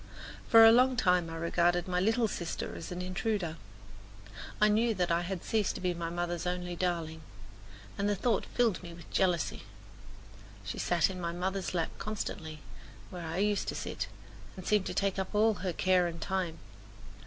For a long time I regarded my little sister as an intruder. I knew that I had ceased to be my mother's only darling, and the thought filled me with jealousy. She sat in my mother's lap constantly, where I used to sit, and seemed to take up all her care and time.